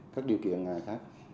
các điều kiện khác